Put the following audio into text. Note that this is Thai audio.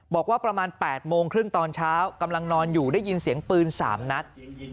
บอกว่าประมาณ๘โมงครึ่งตอนเช้ากำลังนอนอยู่ได้ยินเสียงปืน๓นัด